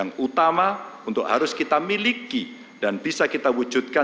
untuk tipu usus masyarakat verapan perbaikan dan okrasikungan